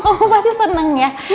kamu pasti seneng ya